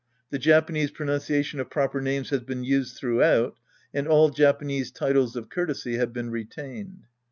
The Japanese pronunciation of proper names has been used throughout, and all Japanese titles of courtesy have been retained.